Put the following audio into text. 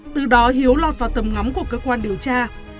từ đó hiếu lọt vào tầm ngắm của cơ quan điều tra